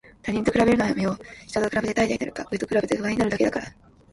他人と比べるのはやめよう。下と比べて怠惰になるか、上と比べて不安になるだけだから。